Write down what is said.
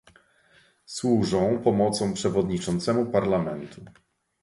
Służą pomocą przewodniczącemu Parlamentu